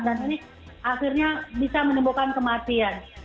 dan ini akhirnya bisa menimbulkan kematian